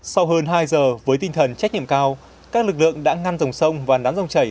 sau hơn hai giờ với tinh thần trách nhiệm cao các lực lượng đã ngăn dòng sông và nắn dòng chảy